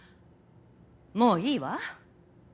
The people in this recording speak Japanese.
もういいわ。